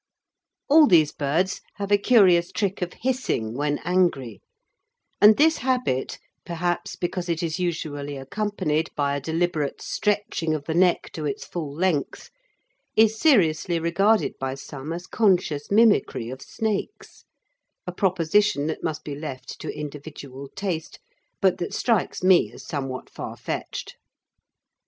All these birds have a curious trick of hissing when angry, and this habit, perhaps because it is usually accompanied by a deliberate stretching of the neck to its full length, is seriously regarded by some as conscious mimicry of snakes, a proposition that must be left to individual taste, but that strikes me as somewhat far fetched.